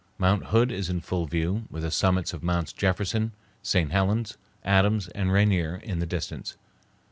Mount Hood is in full view, with the summits of Mounts Jefferson, St. Helen's, Adams, and Rainier in the distance.